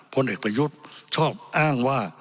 พลเอกประยุทธ์ชอบอ้างว่า